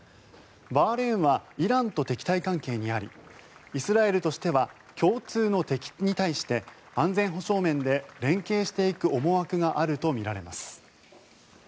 バーレーンはイランと敵対関係にありイスラエルとしては共通の敵に対して安全保障面で連携していく思惑があるとみられます。